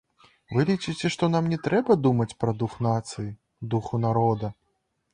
Вы лічыце, што нам не трэба думаць пра дух нацыі, духу народа?